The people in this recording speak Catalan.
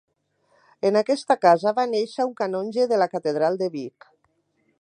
En aquesta casa va néixer un canonge de la Catedral de Vic.